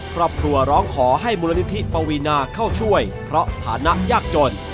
ครอบครัวร้องขอให้มูลนิธิปวีนาเข้าช่วยเพราะฐานะยากจน